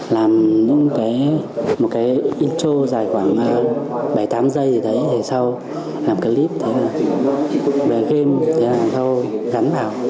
làm những cái intro dài khoảng bảy tám giây rồi đấy rồi sau làm clip rồi game rồi gắn vào